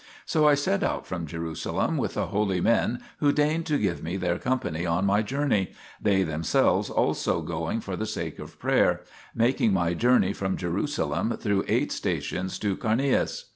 So I set out from Jerusalem with the holy men who deigned to give me their company on my journey they themselves also going for the sake of prayer making my journey from Jerusalem through eight stations to Carneas.